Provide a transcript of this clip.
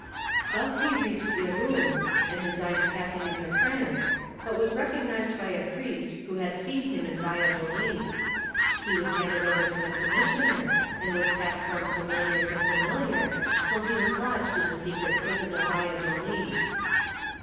Thus he reached Irun and designed passing into France, but was recognized by a priest who had seen him in Valladolid; he was handed over to the commissioner and was passed from familiar to familiar till he was lodged in the secret prison of Valladolid.